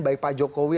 baik pak jokowi